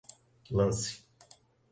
lance